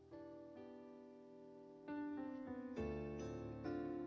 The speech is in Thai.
จริงจริงจริง